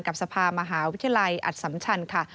กับสภามหาวิทยาลัยอัตสำชันค่ะ